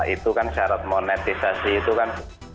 itu kan syarat monetisasi itu kan